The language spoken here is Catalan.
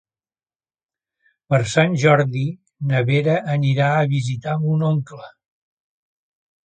Per Sant Jordi na Vera anirà a visitar mon oncle.